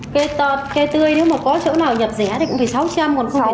cây tọt cây tươi nếu mà có chỗ nào nhập rẻ thì cũng phải sáu trăm linh còn không phải tám trăm linh